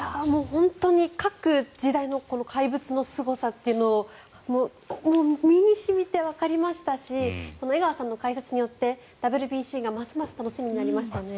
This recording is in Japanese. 本当に各時代の怪物のすごさというのを身に染みてわかりましたし江川さんの解説によってＷＢＣがますます楽しみになりましたね。